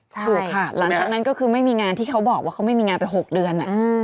ถูกค่ะหลังจากนั้นก็คือไม่มีงานที่เขาบอกว่าเขาไม่มีงานไป๖เดือน